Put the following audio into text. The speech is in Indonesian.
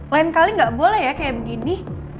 lain kali gak boleh ya kayak begini